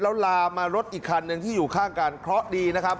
แล้วลามมารถอีกคันหนึ่งที่อยู่ข้างกันเคราะห์ดีนะครับ